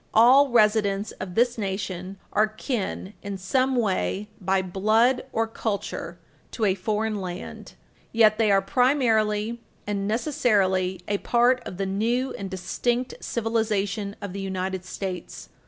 All residents of this nation are kin in some way by blood or culture to a foreign land. Yet they are primarily and necessarily a part of the new and distinct civilization of the United States.